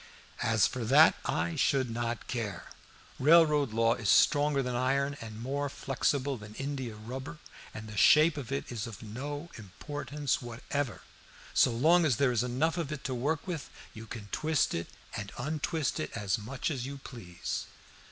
"As for that, I should not care. Railroad law is stronger than iron and more flexible than india rubber, and the shape of it is of no importance whatever. So long as there is enough of it to work with, you can twist it and untwist it as much as you please."